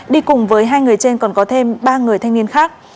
đi cùng với hai người trên còn có thêm ba người thanh niên khác